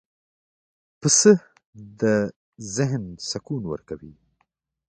پسه د ذهن سکون ورکوي.